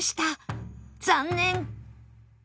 残念！